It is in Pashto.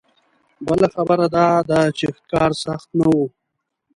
بله خبره دا ده چې ښکار سخت نه و.